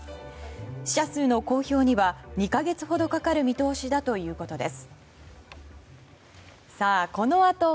死者数の公表には２か月ほどかかる見通しだということです。